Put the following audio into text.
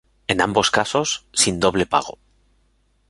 En ambos casos, sin doble pago.